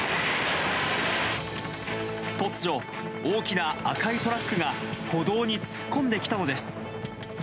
突如、大きな赤いトラックが、歩道に突っ込んできたのです。